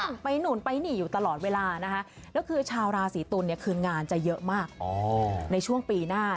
ต้องไปหนุนไปหนี่อย่างนี้อยู่ตลอดเวลานะฮะ